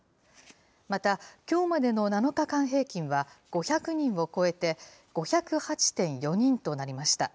また、きょうまでの７日間平均は５００人を超えて、５０８．４人となりました。